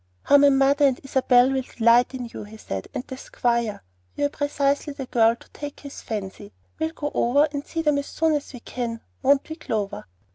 "How my mother and Isabel will delight in you," he said; "and the squire! You are precisely the girl to take his fancy. We'll go over and see them as soon as we can, won't we, Clover?"